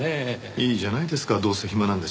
いいじゃないですかどうせ暇なんだし。